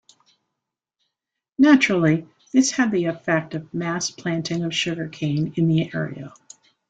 Naturally this had the effect of mass planting of sugar cane in the area.